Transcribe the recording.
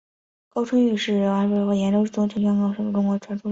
高春育是乂安省演州府东城县高舍总高舍社盛庆村出生。